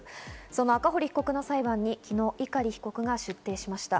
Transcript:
その赤堀被告の裁判に昨日、碇被告が出廷しました。